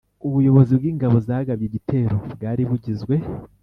ubuyobozi bw'ingabo zagabye igitero bwari bugizwe